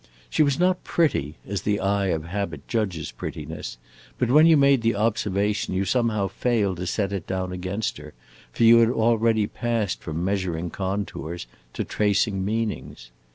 She was not pretty, as the eye of habit judges prettiness, but when you made the observation you somehow failed to set it down against her, for you had already passed from measuring contours to tracing meanings.